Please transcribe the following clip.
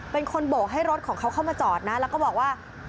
เป็นคนโบกให้รถของเขาเข้ามาจอดนะแล้วก็บอกว่า